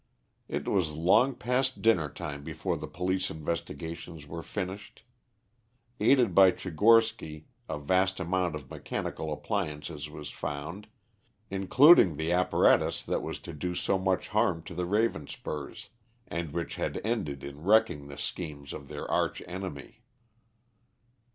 It was long past dinner time before the police investigations were finished. Aided by Tchigorsky a vast amount of mechanical appliances was found, including the apparatus that was to do so much harm to the Ravenspurs, and which had ended in wrecking the schemes of their arch enemy.